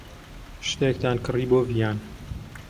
شتێکتان کڕی بۆ ڤیان.